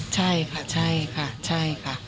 ใช่ค่ะใช่ค่ะใช่ค่ะ